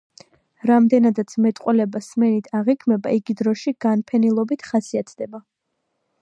რამდენადაც მეტყველება სმენით აღიქმება, იგი დროში განფენილობით ხასიათდება.